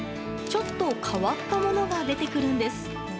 ちょっと変わったものが出てくるんです。